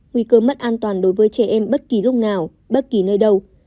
nguy cơ mất an toàn đối với trẻ em bất kỳ lúc nào bất kỳ nơi đâu